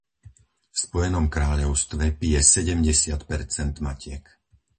V Spojenom kráľovstve pije sedemdesiat percent matiek.